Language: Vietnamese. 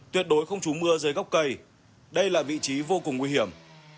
tuyệt đối không trú mưa dưới góc cây đây là vị trí vô cùng nguy hiểm